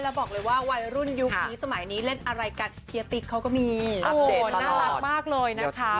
แล้วบอกเลยว่าวัยรุ่นยุคนี้สมัยนี้เล่นอะไรกันเฮียติ๊กเขาก็มีน่ารักมากเลยนะคะ